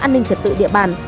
an ninh trật tự địa bàn